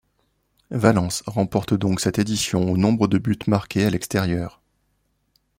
Valence remporte donc cette édition au nombre de buts marqués à l'extérieur.